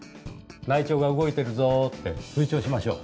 内調が動いてるぞって吹聴しましょう。